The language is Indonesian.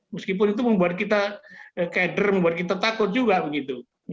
meskipun itu membuat kita keder membuat kita takut juga begitu